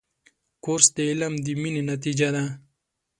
کورس د علم د مینې نتیجه ده.